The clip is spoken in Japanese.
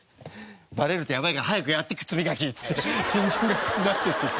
バレるとやばいから早くやって靴磨きっつって新人が靴出していってさ。